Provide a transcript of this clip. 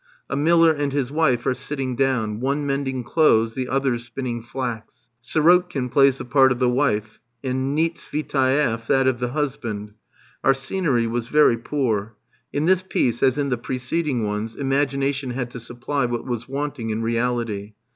A miller and his wife are sitting down, one mending clothes, the other spinning flax. Sirotkin plays the part of the wife, and Nietsvitaeff that of the husband. Our scenery was very poor. In this piece, as in the preceding ones, imagination had to supply what was wanting in reality.